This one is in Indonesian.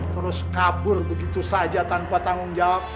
terus kabur begitu saja tanpa tanggung jawab